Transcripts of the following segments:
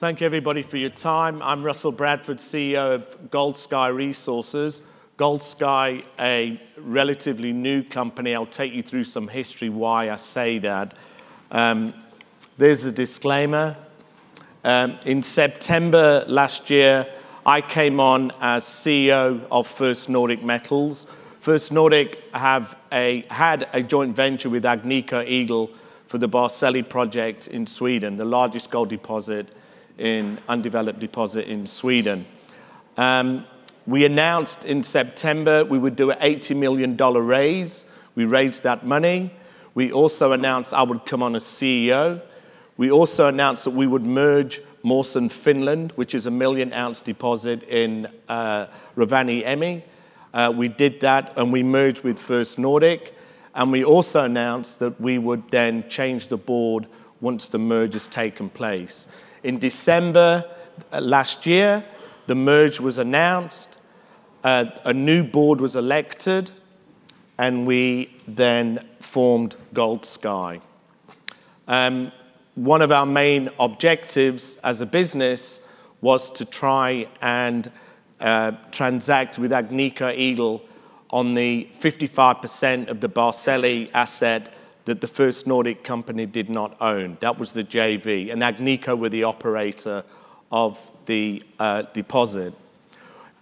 Thank you everybody for your time. I'm Russell Bradford, CEO of Goldsky Resources, a relatively new company. I'll take you through some history why I say that. There's a disclaimer. In September last year, I came on as CEO of First Nordic Metals. First Nordic had a joint venture with Agnico Eagle for the Barsele project in Sweden, the largest undeveloped gold deposit in Sweden. We announced in September we would do a 80 million dollar raise. We raised that money. We also announced I would come on as CEO. We also announced that we would merge Mawson Finland, which is a million ounce deposit in Rovaniemi. We did that, and we merged with First Nordic, and we also announced that we would then change the board once the merge has taken place. In December last year, the merge was announced, a new board was elected, and we then formed Goldsky. One of our main objectives as a business was to try and transact with Agnico Eagle on the 55% of the Barsele asset that the First Nordic company did not own. That was the JV, and Agnico were the operator of the deposit.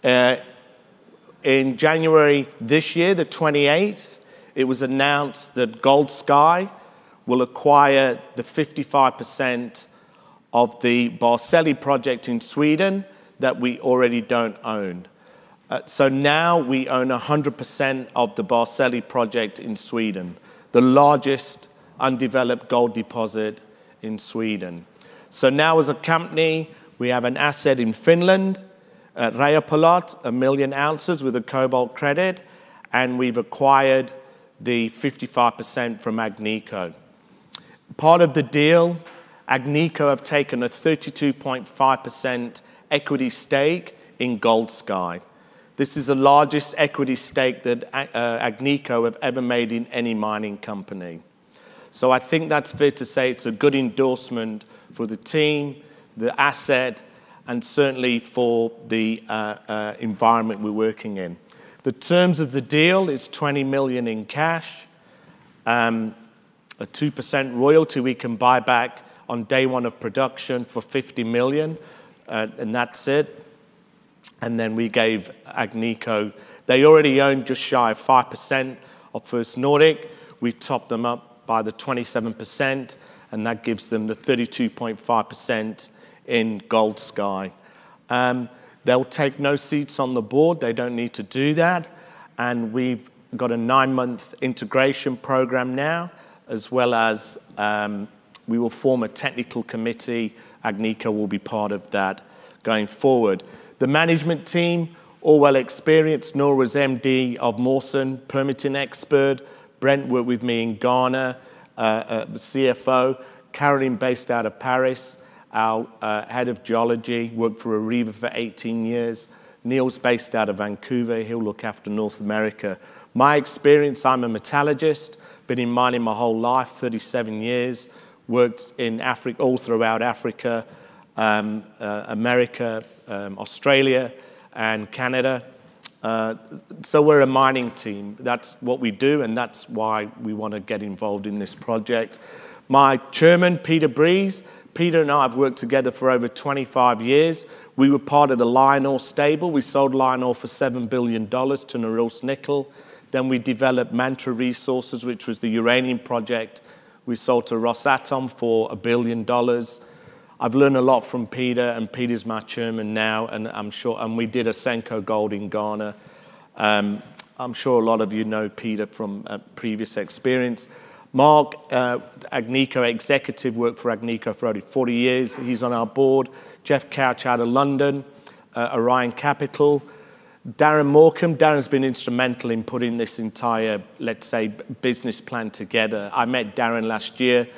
In January this year, the 28th, it was announced that Goldsky will acquire the 55% of the Barsele project in Sweden that we already don't own. Now we own 100% of the Barsele project in Sweden, the largest undeveloped gold deposit in Sweden. Now as a company, we have an asset in Finland at Rajapalot, 1 million ounces with a cobalt credit, and we've acquired the 55% from Agnico. Part of the deal, Agnico have taken a 32.5% equity stake in Goldsky. This is the largest equity stake that Agnico have ever made in any mining company. I think that's fair to say it's a good endorsement for the team, the asset, and certainly for the environment we're working in. The terms of the deal, it's $20 million in cash, a 2% royalty we can buy back on day one of production for $50 million, and that's it. We gave Agnico, they already owned just shy of 5% of First Nordic. We topped them up by the 27%, and that gives them the 32.5% in Goldsky Resources. They'll take no seats on the board. They don't need to do that, and we've got a nine-month integration program now, as well as we will form a technical committee. Agnico will be part of that going forward. The management team, all well experienced. Noora Ahola's MD of Mawson, permitting expert. Brent worked with me in Ghana, the CFO. Caroline, based out of Paris, our Head of Geology, worked for Areva for 18 years. Neil's based out of Vancouver. He'll look after North America. My experience, I'm a metallurgist, been in mining my whole life, 37 years. Worked all throughout Africa, America, Australia, and Canada. We're a mining team. That's what we do, and that's why we want to get involved in this project. My Chairman, Peter Breese. Peter and I have worked together for over 25 years. We were part of the LionOre stable. We sold LionOre for $7 billion to Norilsk Nickel. We developed Mantra Resources, which was the uranium project we sold to Rosatom for a billion dollars. I've learned a lot from Peter, and Peter's my Chairman now, and we did Asanko Gold in Ghana. I'm sure a lot of you know Peter from a previous experience. Mark, Agnico Executive. Worked for Agnico for over 40 years. He's on our Board. Jeff Couch out of London, Orion Capital. Darren Morcombe. Darren's been instrumental in putting this entire, let's say, business plan together. I met Darren last year.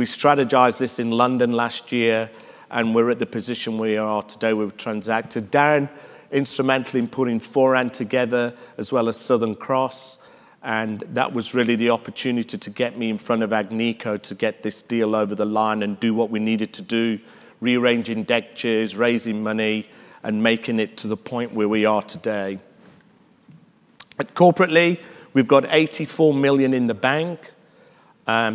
We strategized this in London last year, and we're at the position we are today. We've transacted. Darren, instrumental in putting Foran together, as well as Southern Cross. That was really the opportunity to get me in front of Agnico to get this deal over the line and do what we needed to do, rearranging debt chairs, raising money, and making it to the point where we are today. Corporately, we've got $84 million in the bank.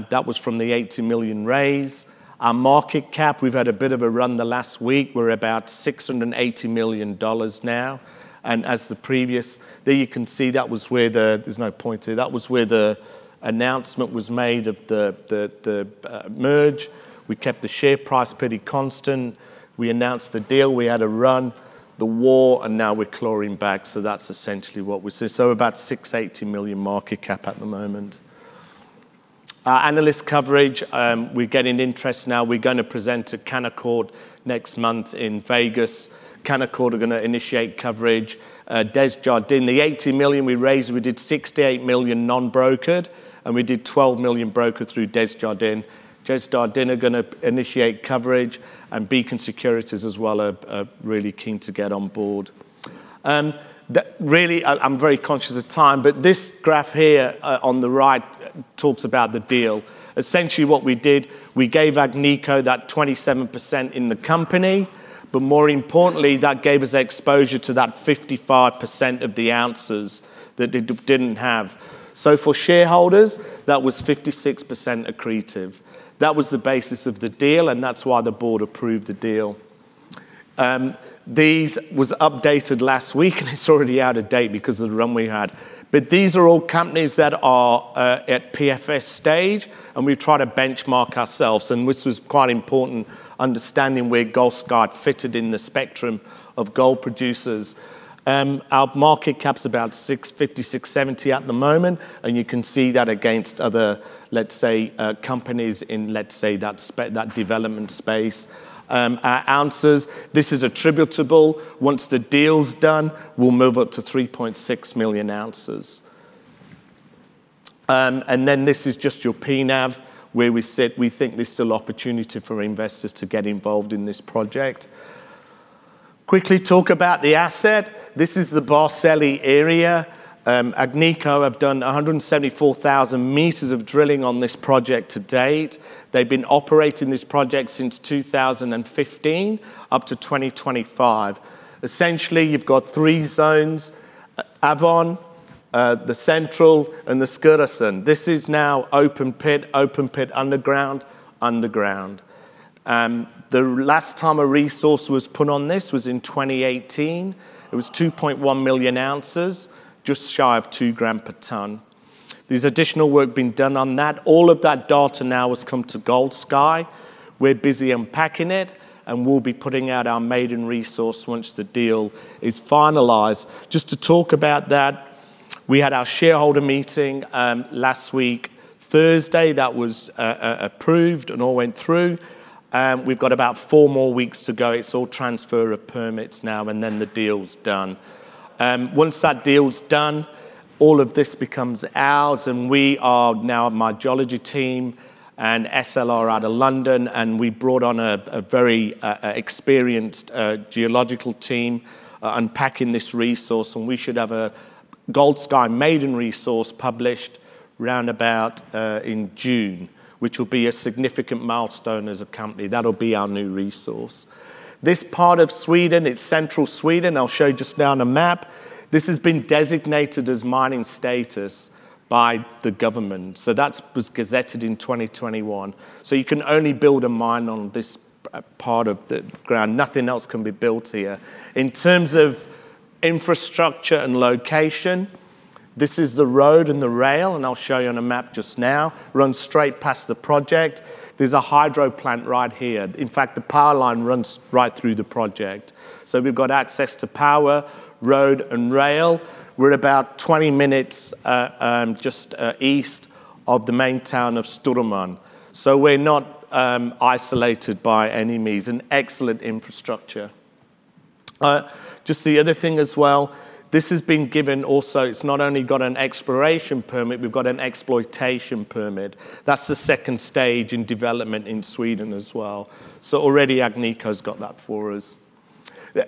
That was from the $80 million raise. Our market cap, we've had a bit of a run the last week. We're about $680 million now, and as the previous, there you can see that was where the, there's no pointer. That was where the announcement was made of the merge. We kept the share price pretty constant. We announced the deal. We had a run. The war, and now we're clawing back, so that's essentially what we see. So about $680 million market cap at the moment. Our analyst coverage, we're getting interest now. We're gonna present to Canaccord next month in Vegas. Canaccord are gonna initiate coverage. Desjardins. The $80 million we raised, we did $68 million non-brokered, and we did $12 million brokered through Desjardins. Desjardins are gonna initiate coverage, and Beacon Securities as well are really keen to get on board. And really, I'm very conscious of time, but this graph here on the right talks about the deal. Essentially what we did, we gave Agnico that 27% in the company, but more importantly, that gave us exposure to that 55% of the ounces that they didn't have. For shareholders, that was 56% accretive. That was the basis of the deal, and that's why the Board approved the deal. This was updated last week, and it's already out of date because of the run we had. These are all companies that are at PFS stage, and we've tried to benchmark ourselves, and this was quite important, understanding where Goldsky fitted in the spectrum of gold producers. Our market cap's about 650 million, 670 million at the moment, and you can see that against other, let's say, companies in, let's say, that development space. Our ounces, this is attributable. Once the deal's done, we'll move up to 3.6 million ounces. This is just your P/NAV, where we think there's still opportunity for investors to get involved in this project. Quickly talk about the asset. This is the Barsele area. Agnico have done 174,000 m of drilling on this project to date. They've been operating this project since 2015, up to 2025. Essentially, you've got three zones, Avan, the Central, and the Skiråsen. This is now open pit, open pit underground. The last time a resource was put on this was in 2018. It was 2.1 million ounces, just shy of 2 g/t. There's additional work being done on that. All of that data now has come to Goldsky Resources. We're busy unpacking it, and we'll be putting out our maiden resource once the deal is finalized. Just to talk about that, we had our shareholder meeting last week, Thursday. That was approved and all went through. We've got about four more weeks to go. It's all transfer of permits now and then the deal's done. Once that deal's done, all of this becomes ours and we are now, my geology team and SLR out of London, and we brought on a very experienced geological team unpacking this resource, and we should have a Goldsky maiden resource published around about in June, which will be a significant milestone as a company. That'll be our new resource. This part of Sweden, it's central Sweden. I'll show you just now on a map. This has been designated as mining status by the government. That was gazetted in 2021. You can only build a mine on this part of the ground. Nothing else can be built here. In terms of infrastructure and location, this is the road and the rail, and I'll show you on a map just now, runs straight past the project. There's a hydro plant right here. In fact, the power line runs right through the project. We've got access to power, road, and rail. We're about 20 minutes just east of the main town of Storuman. We're not isolated by any means. An excellent infrastructure. Just the other thing as well, this has been given also. It's not only got an exploration permit, we've got an exploitation permit. That's the second stage in development in Sweden as well. Already Agnico's got that for us.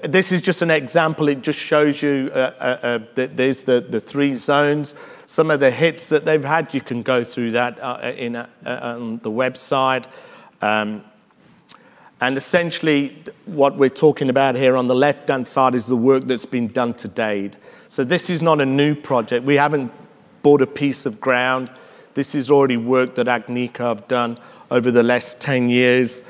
This is just an example. It just shows you there's the three zones. Some of the hits that they've had, you can go through that on the website. And essentially what we're talking about here on the left-hand side is the work that's been done to date. So this is not a new project. We haven't bought a piece of ground. This is already work that Agnico have done over the last 10 years.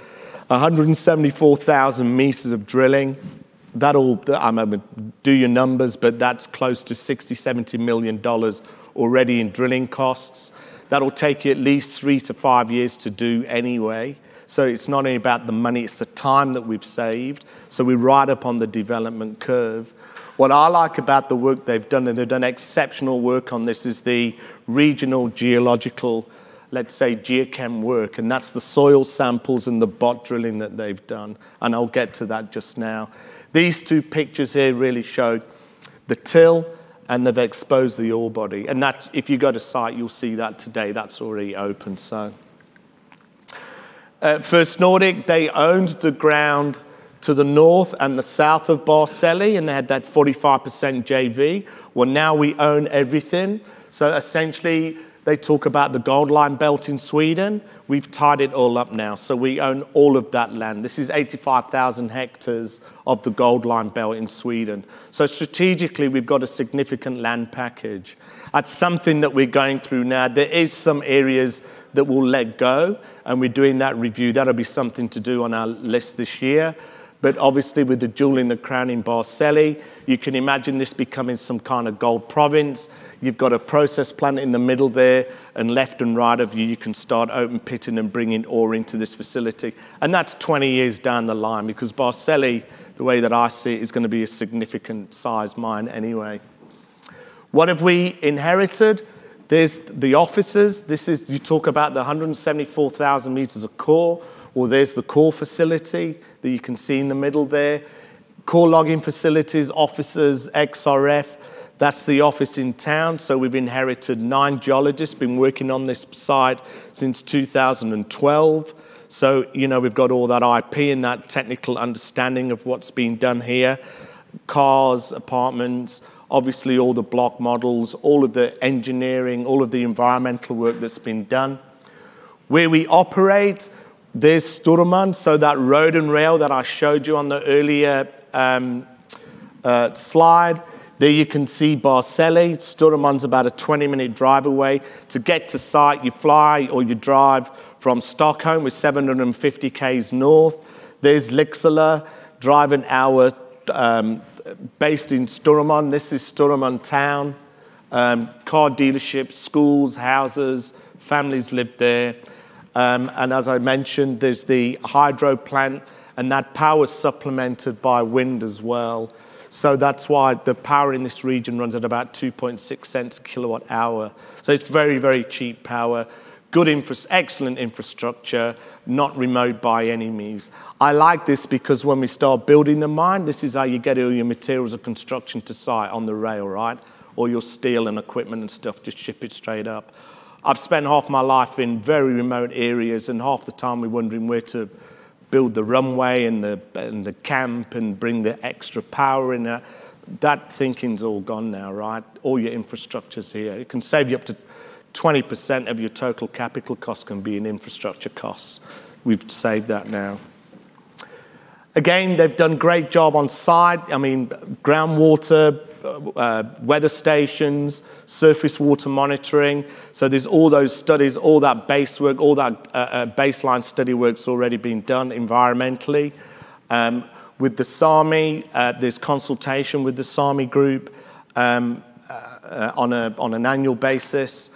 174,000 meters of drilling. Do your numbers, but that's close to $60 million, $70 million already in drilling costs. That'll take you at least three to five years to do anyway. So it's not only about the money, it's the time that we've saved. So we're right up on the development curve. What I like about the work they've done, and they've done exceptional work on this, is the regional geological, let's say, geochem work, and that's the soil samples and the bot drilling that they've done, and I'll get to that just now. These two pictures here really show the till, and they've exposed the ore body, and if you go to site, you'll see that today. That's already open. At First Nordic, they owned the ground to the north and the south of Barsele, and they had that 45% JV. Well, now we own everything. Essentially, they talk about the Gold Line Belt in Sweden. We've tied it all up now. We own all of that land. This is 85,000 hectares of the Gold Line Belt in Sweden. Strategically, we've got a significant land package. That's something that we're going through now. There is some areas that we'll let go, and we're doing that review. That'll be something to do on our list this year. Obviously, with the jewel in the crown in Barsele, you can imagine this becoming some kind of gold province. You've got a process plant in the middle there. Left and right of you can start open pitting and bringing ore into this facility. That's 20 years down the line because Barsele, the way that I see it, is going to be a significant size mine anyway. What have we inherited? There's the offices. You talk about the 174,000 m of core. Well, there's the core facility that you can see in the middle there. Core logging facilities, offices, XRF. That's the office in town. We've inherited nine geologists, been working on this site since 2012. We've got all that IP and that technical understanding of what's been done here. Cars, apartments, obviously all the block models, all of the engineering, all of the environmental work that's been done. Where we operate, there's Storuman. So that road and rail that I showed you on the earlier slide, there you can see Barssele. Storuman's about a 20-minute drive away. To get to site, you fly or you drive from Stockholm, we're 750 Ks north. There's Lycksele, drive an hour. Based in Storuman, this is Storuman town. Car dealerships, schools, houses, families live there. And as I mentioned, there's the hydro plant, and that power's supplemented by wind as well. So that's why the power in this region runs at about 2.6 kWh. So it's very cheap power. Excellent infrastructure, not remote by any means. I like this because when we start building the mine, this is how you get all your materials of construction to site, on the rail, right? All your steel and equipment and stuff, just ship it straight up. I've spent half my life in very remote areas, and half the time we're wondering where to build the runway and the camp, and bring the extra power in at. That thinking's all gone now, right? All your infrastructure's here. It can save you up to 20% of your total capital cost can be in infrastructure costs. We've saved that now. Again, they've done a great job on site. Groundwater, weather stations, surface water monitoring. There's all those studies, all that base work, all that baseline study work's already been done environmentally. With the Sámi, there's consultation with the Sámi group on an annual basis.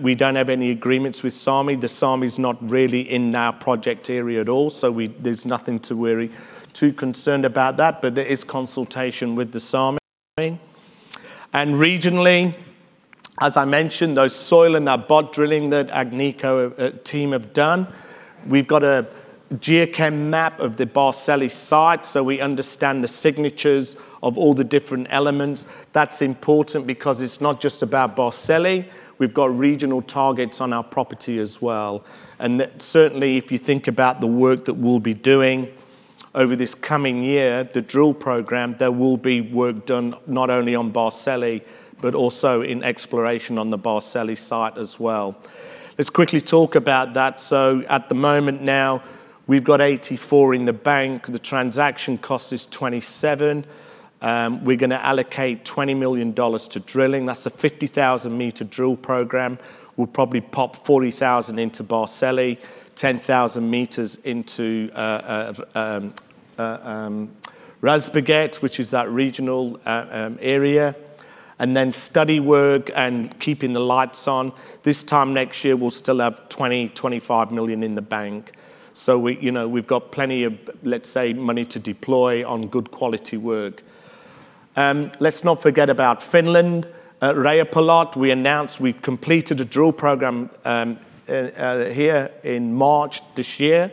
We don't have any agreements with Sámi. The Sámi's not really in our project area at all, so there's nothing to worry too concerned about that, but there is consultation with the Sámi. Regionally, as I mentioned, those soil and that bot drilling that Agnico team have done. We've got a geochem map of the Barsele site, so we understand the signatures of all the different elements. That's important because it's not just about Barsele. We've got regional targets on our property as well. Certainly, if you think about the work that we'll be doing over this coming year, the drill program, there will be work done not only on Barsele, but also in exploration on the Barsele site as well. Let's quickly talk about that. At the moment now, we've got $84 million in the bank. The transaction cost is $27 million. We're going to allocate $20 million to drilling. That's a 50,000 m drill program. We'll probably pop 40,000 into Barsele, 10,000 m into Risberget, which is that regional area. Study work and keeping the lights on. This time next year, we'll still have $20 million-$25 million in the bank. We've got plenty of, let's say, money to deploy on good quality work. Let's not forget about Finland, Rajapalot. We announced we've completed a drill program here in March this year.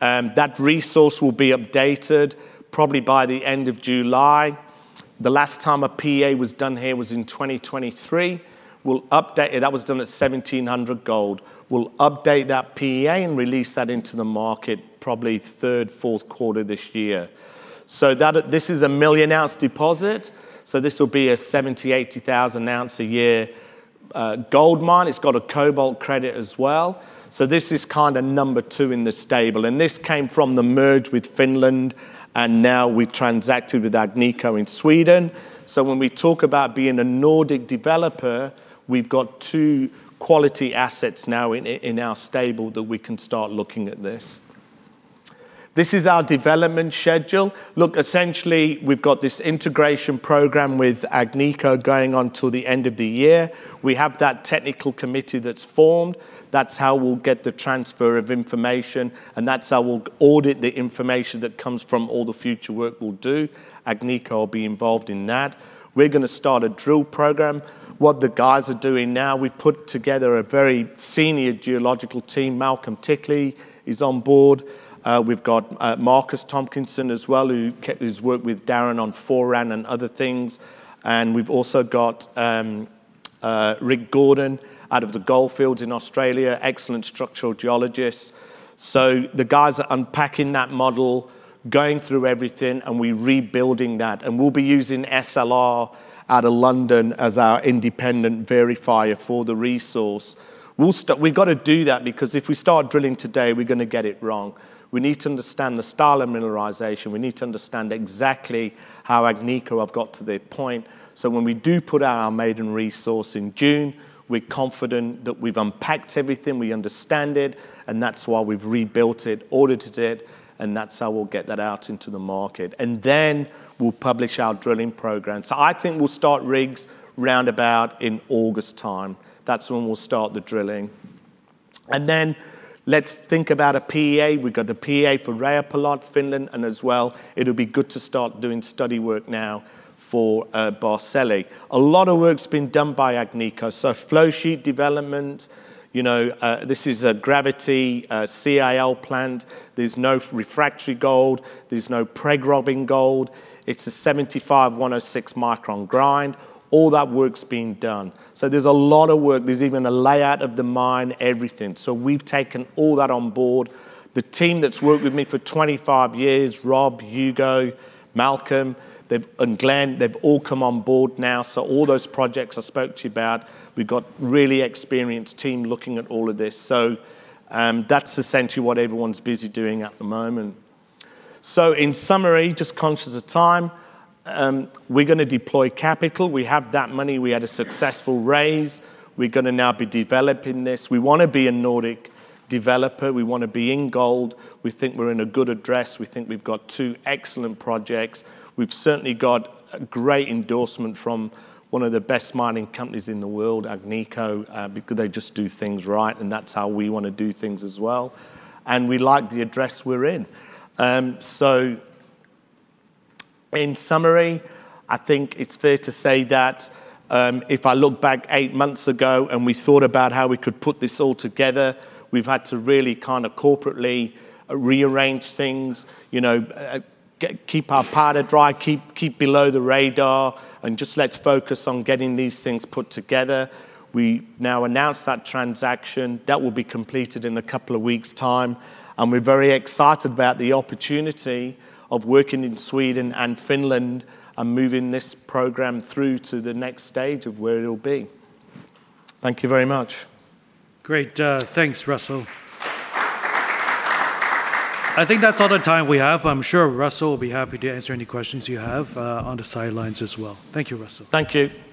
That resource will be updated probably by the end of July. The last time a PEA was done here was in 2023. That was done at $1,700 gold. We'll update that PEA and release that into the market probably third, fourth quarter this year. This is a million-ounce deposit. This will be a 70,000-ounce a year gold mine. It's got a cobalt credit as well. This is kind of number two in the stable. This came from the merge with Finland, and now we've transacted with Agnico in Sweden. When we talk about being a Nordic developer, we've got two quality assets now in our stable that we can start looking at this. This is our development schedule. Look, essentially, we've got this integration program with Agnico going on till the end of the year. We have that technical committee that's formed. That's how we'll get the transfer of information, and that's how we'll audit the information that comes from all the future work we'll do. Agnico will be involved in that. We're going to start a drill program. What the guys are doing now, we've put together a very senior geological team. Malcolm Titley is on board. We've got Marcus Tomkinson as well, who's worked with Darren on Foran and other things. We've also got Rick Gordon out of the Gold Fields in Australia, excellent Structural Geologist. The guys are unpacking that model, going through everything, and we're rebuilding that. We'll be using SLR out of London as our independent verifier for the resource. We've got to do that because if we start drilling today, we're going to get it wrong. We need to understand the style of mineralization. We need to understand exactly how Agnico have got to their point, so when we do put out our maiden resource in June, we're confident that we've unpacked everything, we understand it, and that's why we've rebuilt it, audited it, and that's how we'll get that out into the market. We'll publish our drilling program. I think we'll start rigs roundabout in August time. That's when we'll start the drilling. Let's think about a PEA. We've got the PEA for Rajapalot, Finland, and as well, it'll be good to start doing study work now for Barssele. A lot of work's been done by Agnico. So flow sheet development. This is a Gravity-CIL plant. There's no refractory gold. There's no preg robbing gold. It's a 75/106 micron grind. All that work's been done. So there's a lot of work. There's even a layout of the mine, everything. So we've taken all that on board. The team that's worked with me for 25 years, Rob, Hugo, Malcolm, and Glen, they've all come on board now. So all those projects I spoke to you about, we've got really experienced team looking at all of this. So, that's essentially what everyone's busy doing at the moment. So in summary, just conscious of time, we're going to deploy capital. We have that money. We had a successful raise. We're going to now be developing this. We want to be a Nordic Developer. We want to be in gold. We think we're in a good address. We think we've got two excellent projects. We've certainly got a great endorsement from one of the best mining companies in the world, Agnico, because they just do things right, and that's how we want to do things as well. We like the address we're in. In summary, I think it's fair to say that if I look back eight months ago and we thought about how we could put this all together, we've had to really kind of corporately rearrange things. Keep our powder dry, keep below the radar, and just let's focus on getting these things put together. We now announce that transaction. That will be completed in a couple of weeks' time. We're very excited about the opportunity of working in Sweden and Finland and moving this program through to the next stage of where it'll be. Thank you very much. Great. Thanks, Russell. I think that's all the time we have, but I'm sure Russell will be happy to answer any questions you have on the sidelines as well. Thank you, Russell. Thank you.